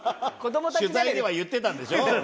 取材では言ってたんでしょ？